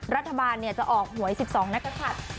รัฐบาลจะออกหวย๑๒นักศัตริย์